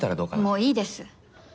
もういいです。